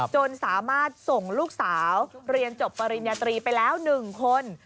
จนสามารถส่งลูกสาวเรียนจบปริญญาตรีไปแล้ว๑คน